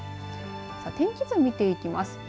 さあ、天気図、見ていきます。